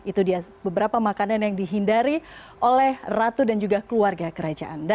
itu dia beberapa makanan yang dihindari oleh ratu dan juga keluarga kerajaan